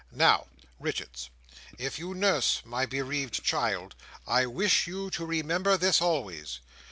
Now, Richards, if you nurse my bereaved child, I wish you to remember this always.